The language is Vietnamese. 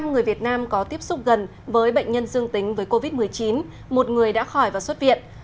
năm người việt nam có tiếp xúc gần với bệnh nhân dương tính với covid một mươi chín một người đã khỏi và xuất viện